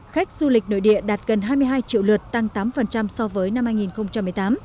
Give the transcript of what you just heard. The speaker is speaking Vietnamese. khách du lịch nội địa đạt gần hai mươi hai triệu lượt tăng tám so với năm hai nghìn một mươi tám